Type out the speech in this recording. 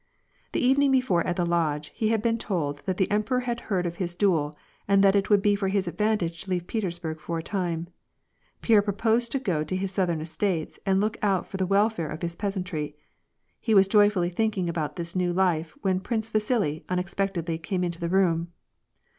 The evening before at the lodge, he had been told that the emperor had heard of his duel, and that it would be for his advantage to leave Petersburg for a time. Pierre proposed to go to his southern estates and look out for the welfare of his peasantry. He was joyfully thinking about this new life, when Prince Vasili unexpectedly came into the room.